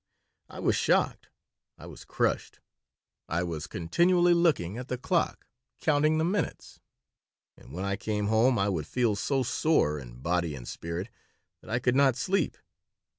I was shocked. I was crushed. I was continually looking at the clock, counting the minutes, and when I came home I would feel so sore in body and spirit that I could not sleep.